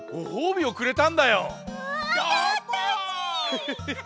ヘヘヘヘ。